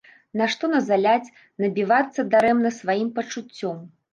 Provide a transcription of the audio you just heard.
Нашто назаляць, набівацца дарэмна сваім пачуццём!